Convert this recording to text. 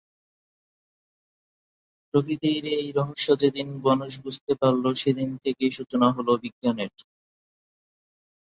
প্রকৃতির এই রহস্য যে দিন মানুষ বুঝতে পারল সেদিন থেকে সূচনা হলো বিজ্ঞানের।